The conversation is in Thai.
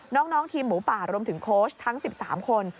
น้องทีมหมูป่ารวมถึงโค้ชทั้ง๑๓คน